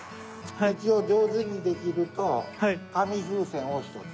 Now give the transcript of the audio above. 一応上手にできると紙風船を１つ。